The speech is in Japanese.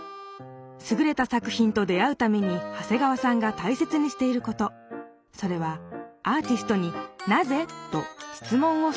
すぐれた作品と出会うために長谷川さんが大切にしていることそれはアーティストに「なぜ？」と質問をすることです